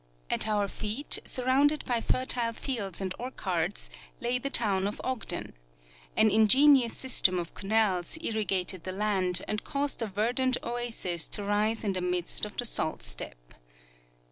At our feet, surrounded by fertile fields and orchards, lay the toAvn of Ogden. An ingenious system of canals irrigated the land and caused a The ancient Lake Bonneville. 165 verdant oasis to rise in the midst of the salt steppe.